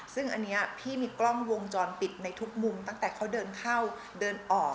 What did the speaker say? ซึ่งอันนี้พี่มีกล้องวงจรปิดในทุกมุมตั้งแต่เขาเดินเข้าเดินออก